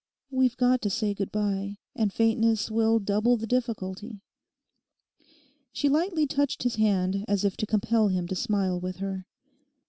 We've got to say good bye. And faintness will double the difficulty.' She lightly touched his hand as if to compel him to smile with her.